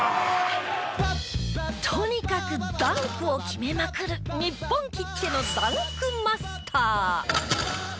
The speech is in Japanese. とにかくダンクを決めまくる日本きってのダンクマスター。